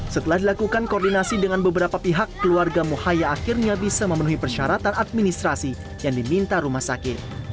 setelah dilakukan koordinasi dengan beberapa pihak keluarga muhaya akhirnya bisa memenuhi persyaratan administrasi yang diminta rumah sakit